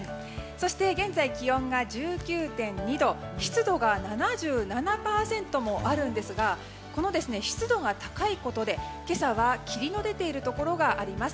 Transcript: そして現在、気温が１９．２度湿度が７７％もあるんですがこの湿度が高いことで、今朝は霧の出ているところがあります。